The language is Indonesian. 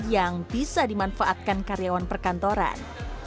yang bisa dimanfaatkan karyawan perkantoran